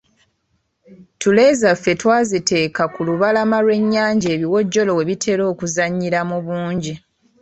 Ttule zaffe twaziteeka ku lubalama lw’ennyanja ebiwojjolo we bitera okuzannyira mu bungi.